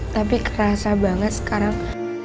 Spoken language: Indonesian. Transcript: tapi kerasa banget sekarang